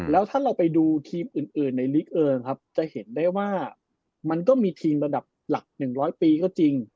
แล้วถ้าเราไปดูทีมอื่นในลีกเองครับจะเห็นได้ว่ามันก็มีทีมระดับหลัก๑๐๐ปีก็จริง